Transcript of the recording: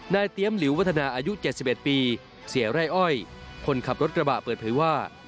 เตรียมหลิววัฒนาอายุ๗๑ปีเสียไร่อ้อยคนขับรถกระบะเปิดเผยว่า